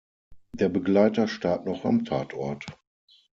Der Begleiter starb noch am Tatort.